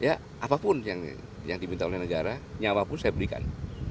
ya apapun yang diminta oleh negara nyawapun saya belikan